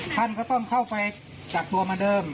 ท่านก็ต้องเข้าไปกักตัวเหมือนเดิม